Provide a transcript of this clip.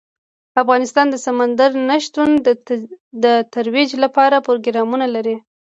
افغانستان د سمندر نه شتون د ترویج لپاره پروګرامونه لري.